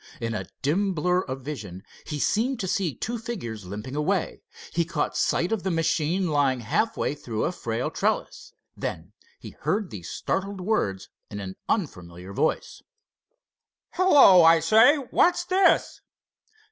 In a dim blur of vision he seemed to see two figures limping away. He caught sight of the machine lying half way through a frail trellis. Then he heard these startled words in an unfamiliar voice: "Hello! I say, what's this?"